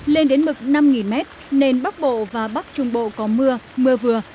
lên đến mực năm m nền bắc bộ và bắc trung bộ có mưa mưa vừa